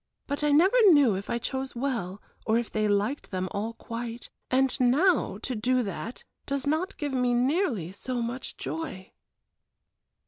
But I never knew if I chose well or if they liked them all quite, and now to do that does not give me nearly so much joy."